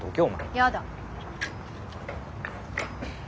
やだ。